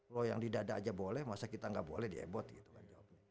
loh yang di dada aja boleh masa kita gak boleh di ebot gitu kan